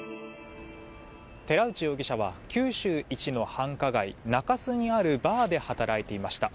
寺内容疑者は九州一の繁華街中洲にあるバーで働いていました。